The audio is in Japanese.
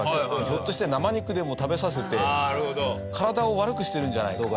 ひょっとして生肉でも食べさせて体を悪くしてるんじゃないか。